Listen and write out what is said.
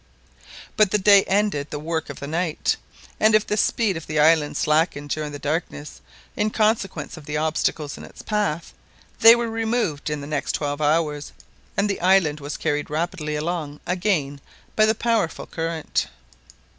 But the day ended the work of the night, and if the speed of the island slackened during the darkness in consequence of the obstacles in its path, they were removed in the next twelve hours, and the island was carried rapidly along again by the powerful current.